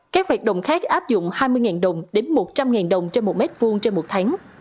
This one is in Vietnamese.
các hoạt động khác áp dụng hai mươi đồng đến một trăm linh đồng trên một mét vuông trên một tháng